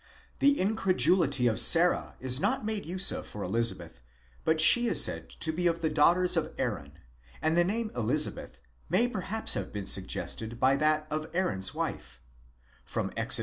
18.) The incredulity of Sarah is not made use of for Elizabeth ; but she is said to be of the daughters of Aaron, and the name Elizabeth may perhaps have been suggested by that of Aaron's wife (Exod.